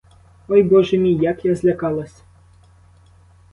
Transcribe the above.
Ой боже мій, як я злякалась!